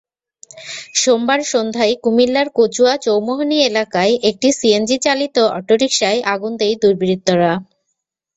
সোমবার সন্ধ্যায় কুমিল্লার কচুয়া চৌমহনী এলাকায় একটি সিএনজিচালিত অটোরিকশায় আগুন দেয় দুর্বৃত্তরা।